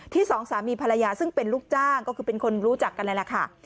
สองสามีภรรยาซึ่งเป็นลูกจ้างก็คือเป็นคนรู้จักกันนั่นแหละค่ะ